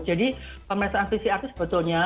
jadi pemirsaan pcr itu sebetulnya